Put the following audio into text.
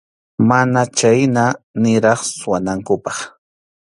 Mana chhayna niraq suwanankupaq.